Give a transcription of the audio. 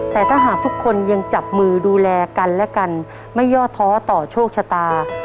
แต่ถ้าหากทุกคนยังจับมือดูแลกันและกันไม่ย่อท้อต่อโชคชะตา